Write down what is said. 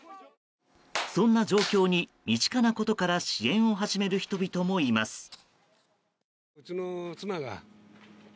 そんな状況に、身近なことから支援を始める人々もいます。